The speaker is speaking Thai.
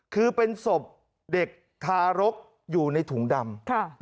คือเป็นศพเด็กทารกอยู่ในถุงดำ